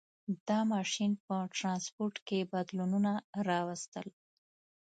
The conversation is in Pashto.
• دا ماشین په ټرانسپورټ کې بدلونونه راوستل.